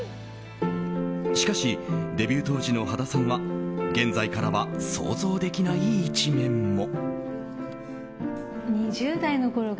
しかしデビュー当時の羽田さんは現在からは想像できない一面も。